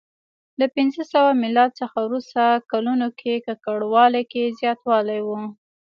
له پنځه سوه میلاد څخه وروسته کلونو کې ککړوالي کې زیاتوالی و